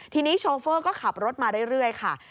ทีนี้โชเฟอร์ก็ขับรถมาเรื่อยค่ะ